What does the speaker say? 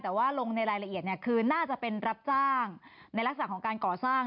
แต่ว่าลงในรายละเอียดคือน่าจะเป็นรับจ้างในลักษณะของการก่อสร้าง